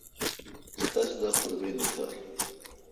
تس دا قربینی تھال۔